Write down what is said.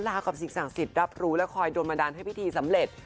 ลากับสิ่งศักดิ์สิทธิ์รับรู้และคอยโดนบันดาลให้พิธีสำเร็จ